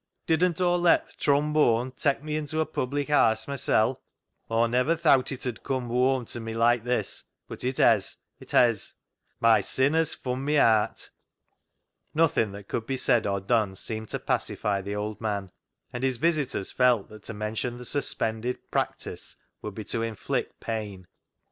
Didn't Aw let th' trombone tak' me into a public haase mysel'? Aw never thowt it 'ud come whoam ISO CLOG SHOP CHRONICLES to me like this, but it hez ! it hez ! My sin hez fun' me aat !" Nothing that could be said or done seemed to pacify the old man, and his visitors felt that to mention the suspended " practice " would be to inflict pain.